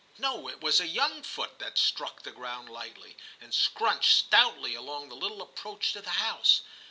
No, it was a young foot that struck the ground lightly, and scrunched stoutly along the little approach to the house.